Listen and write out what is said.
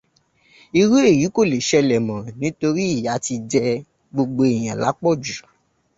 Irú èyí kò le ṣẹlẹ̀ mọ́ nítorí ìyá ti jẹ gbogbo èèyàn lápọ̀jù.